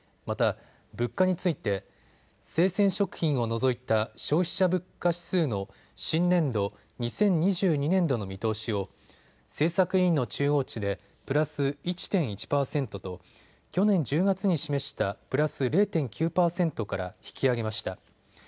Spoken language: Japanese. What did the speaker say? また物価について生鮮食品を除いた消費者物価指数の新年度２０２２年度の見通しを政策委員の中央値でプラス１．１％と去年１０月に示したプラス０．９％から引き上げました。